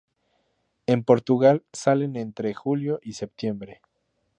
En Portugal salen entre julio y septiembre.